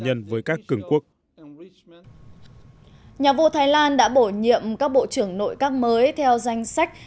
nhân với các cường quốc nhà vua thái lan đã bổ nhiệm các bộ trưởng nội các mới theo danh sách